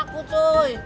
bukan kata aku cuy